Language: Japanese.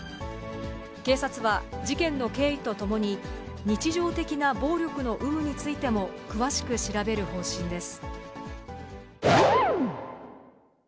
警察は事件の経緯とともに、日常的な暴力の有無についても、詳しく調べる方針です。